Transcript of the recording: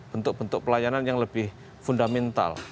bentuk bentuk pelayanan yang lebih fundamental